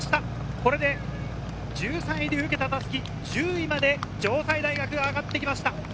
これで１３位で受けた襷を１０位まで城西大学が上がってきました。